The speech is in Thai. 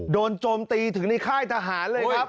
โจมตีถึงในค่ายทหารเลยครับ